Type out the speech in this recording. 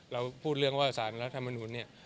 เราพูดเรื่องว่าสารรัฐมนุนเนี่ย